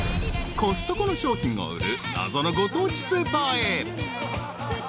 ［コストコの商品を売る謎のご当地スーパーへ］